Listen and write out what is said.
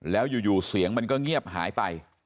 แล้วอยู่เสียงมันก็เงียบหายไป